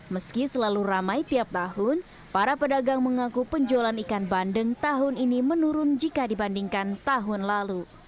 meski selalu ramai tiap tahun para pedagang mengaku penjualan ikan bandeng tahun ini menurun jika dibandingkan tahun lalu